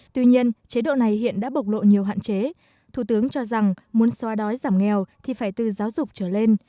tuy nhiên chế độ này hiện đã bộc lộ nhiều hạn chế thủ tướng cho rằng muốn xoa đói giảm nghèo thì phải từ giáo dục trở lên